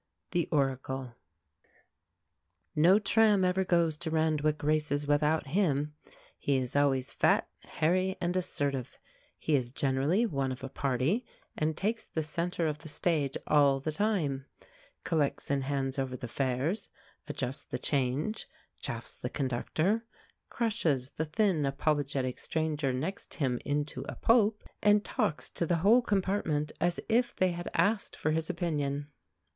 THE ORACLE No tram ever goes to Randwick races without him; he is always fat, hairy, and assertive; he is generally one of a party, and takes the centre of the stage all the time collects and hands over the fares, adjusts the change, chaffs the conductor, crushes the thin, apologetic stranger next him into a pulp, and talks to the whole compartment as if they had asked for his opinion.